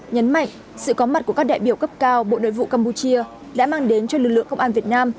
nhấn mạnh sự có mặt của các đại biểu cấp cao bộ nội vụ campuchia đã mang đến cho lực lượng công an việt nam